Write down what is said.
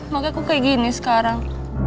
makanya aku kayak gini sekarang